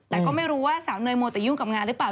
แต่ก็ไม่รู้ว่าสาวเนยมัวแต่ยุ่งกับงานหรือเปล่า